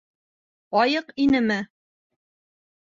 Айыҡ инеме?